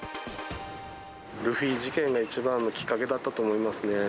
ルフィ事件が一番のきっかけだったと思いますね。